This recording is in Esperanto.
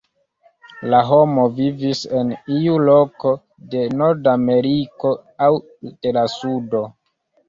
La homo vivis en iu loko de Nord-Ameriko aŭ de la Sudo.